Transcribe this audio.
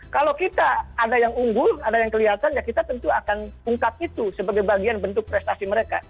kalau kita ada yang unggul ada yang kelihatan ya kita tentu akan ungkap itu sebagai bagian bentuk prestasi mereka